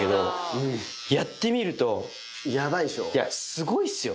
すごいっすよ